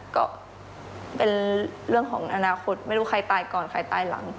ก็เป็นเรื่องของอนาคตไม่รู้ใครตายก่อนใครตายหลัง